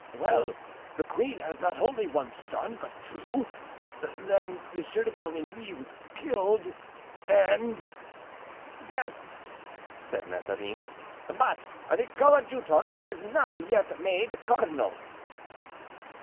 Well! the queen has not only one son, but two; then, Monsieur de Coligny was killed, and——" "Yes," said Mazarin, "but the coadjutor is not yet made cardinal!"